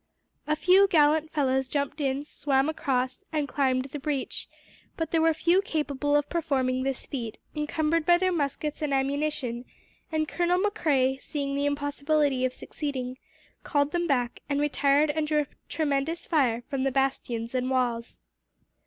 A few gallant fellows jumped in, swam across, and climbed the breach; but there were few capable of performing this feat, encumbered by their muskets and ammunition; and Colonel Macrae, seeing the impossibility of succeeding, called them back, and retired under a tremendous fire from the bastions and walls.